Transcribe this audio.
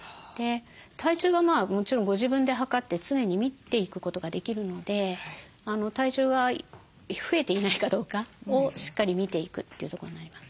体重はもちろんご自分で量って常に見ていくことができるので体重は増えていないかどうかをしっかり見ていくというとこになります。